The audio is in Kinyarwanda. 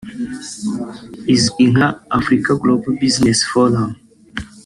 izwi nka “Africa Global business Forum”